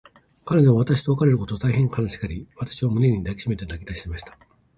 彼女は私と別れることを、大へん悲しがり、私を胸に抱きしめて泣きだしました。